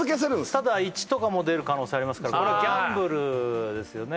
ただ１とかも出る可能性ありますからこれギャンブルですよね